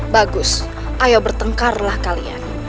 bagus ayo bertengkarlah kalian